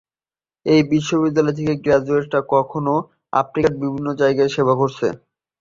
এই বিশ্ববিদ্যালয় থেকে গ্র্যাজুয়েটরা এখনও আফ্রিকার বিভিন্ন জায়গায় সেবা করছে।